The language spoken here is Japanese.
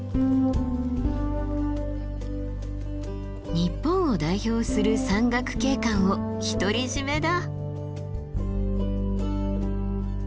日本を代表する山岳景観を独り占めだ。